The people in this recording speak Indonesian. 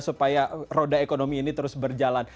supaya roda ekonomi ini terus berjalan